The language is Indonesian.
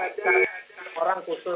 jadi sangat keras dengan keter dan cara pikir